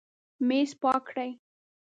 میز پاک کړئ